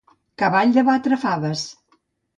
Cavall de batre faves.